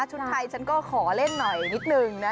ชุดไทยฉันก็ขอเล่นหน่อยนิดนึงนะ